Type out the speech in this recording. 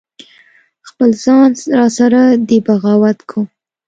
خپل ځان را سره دی بغاوت کوم